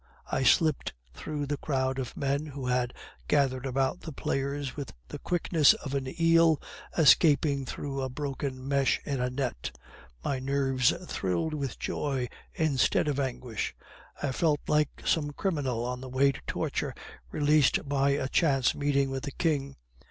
I slipped through the crowd of men who had gathered about the players with the quickness of an eel escaping through a broken mesh in a net. My nerves thrilled with joy instead of anguish. I felt like some criminal on the way to torture released by a chance meeting with the king.